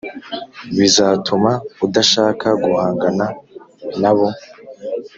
Bizatuma udashaka guhangana na bo